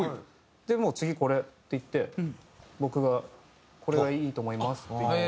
でもう次これっていって僕が「これがいいと思います」って。